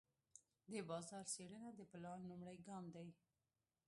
د بازار څېړنه د پلان لومړی ګام دی.